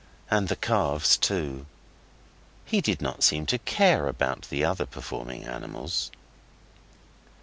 And the calves too. He did not seem to care about the other performing animals.